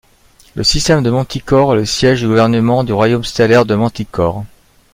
Le système de Manticore est le siège du gouvernement du Royaume stellaire de Manticore.